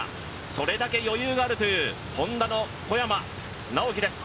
それだけ余裕があるというＨｏｎｄａの小山直城です。